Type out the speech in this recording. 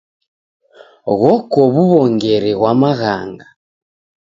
Ghoko w'uw'ongeri ghwa maghanga.